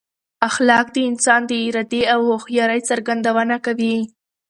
اخلاق د انسان د ارادې او هوښیارۍ څرګندونه کوي.